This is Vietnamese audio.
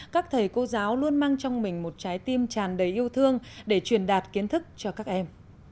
các thầy cô giáo luôn mang trong mình một trái tim tràn đầy yêu thương để truyền đạt kiến thức cho các em